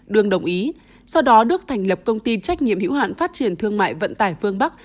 đương đồng ý sau đó đức thành lập công ty trách nhiệm hiểu hạn phát triển thương mại vận tải phương bắc